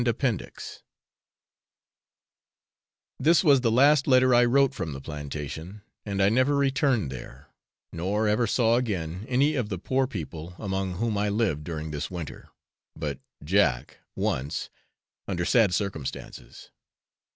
This was the last letter I wrote from the plantation, and I never returned there, nor ever saw again any of the poor people among whom I lived during this winter, but Jack, once, under sad circumstances.